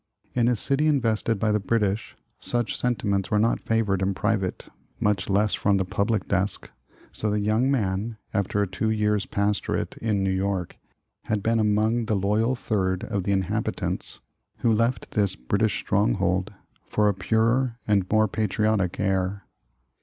In a city invest ed by the British, such sentiments were not favored in private, much less from the public desk, so the young man, after a two years' pastorate in New York, had been among the loyal third of the inhabitants, who left this British stronghold for a purer and more patriotic air.